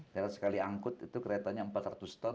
karena sekali angkut itu keretanya empat ratus ton